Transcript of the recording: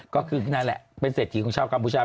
ก็คือนั่นแหละเป็นเศรษฐีของชาวกัมพูชา